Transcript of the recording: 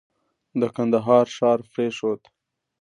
د کندهار ښار پرېښود.